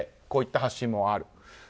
こういった発信もある。